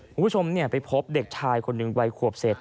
คุณผู้ชมไปพบเด็กชายคนหนึ่งวัยขวบเศษ